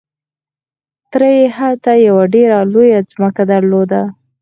تره يې هلته يوه ډېره لويه ځمکه درلوده.